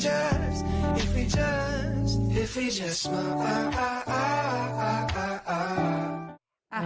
อ้าวอ้าวอ้าวอ้าวอ้าวอ้าวอ้าว